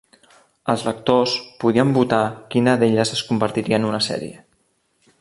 Els lectors podien votar quina d'elles es convertia en una sèrie.